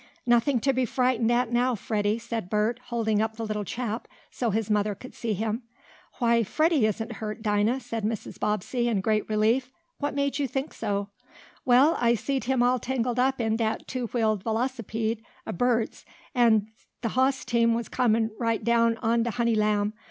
"Nothing to be frightened at now, Freddie," said Bert, holding up the little chap, so his mother could see him. "Why, Freddie isn't hurt, Dinah," said Mrs. Bobbsey, in great relief. "What made you think so?" "Well, I seed him all tangled up in dat two wheeled velocipede ob Bert's, an' de hoss team was comin' right down on de honey lamb.